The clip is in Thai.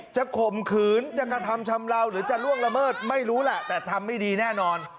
ข่มขืนจะกระทำชำราวหรือจะล่วงละเมิดไม่รู้แหละแต่ทำไม่ดีแน่นอน